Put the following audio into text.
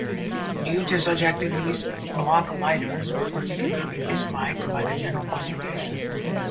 Due to such activities, "Blockleiters" were particularly disliked by the general population.